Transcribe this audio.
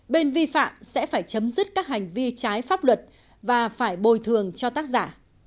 bên vi phạm sẽ phải chấm dứt các hành vi trái pháp luật và phải bồi thường cho tác giả